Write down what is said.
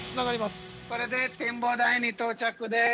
これで展望台に到着です